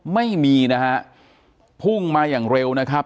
ไม่มีนะฮะพุ่งมาอย่างเร็วนะครับ